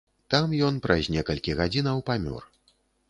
Там ён праз некалькі гадзінаў памёр.